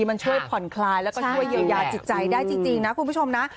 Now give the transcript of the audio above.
แล้วก็เยี่ยมอย่าจิตใจได้จริงนะคะคุณผู้ชมนะ